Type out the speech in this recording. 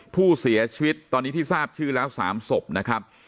ผู้เสียชีวิตตอนนี้ที่ทราบชื่อแล้ว๓ศพนะครับ